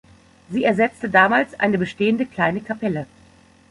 Sie ersetzte damals eine bestehende kleine Kapelle.